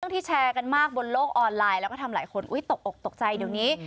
ที่แชร์กันมากบนโลกออนไลน์แล้วก็ทำหลายคนตกอกตกใจเดี๋ยวนี้